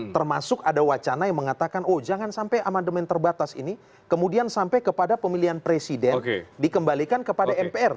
termasuk ada wacana yang mengatakan oh jangan sampai amandemen terbatas ini kemudian sampai kepada pemilihan presiden dikembalikan kepada mpr